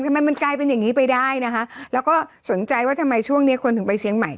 ทำไมมันกลายเป็นอย่างงี้ไปได้นะคะแล้วก็สนใจว่าทำไมช่วงเนี้ยคนถึงไปเชียงใหม่